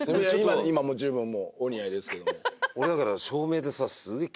今も十分もうお似合いですけども俺だから照明でさすげえ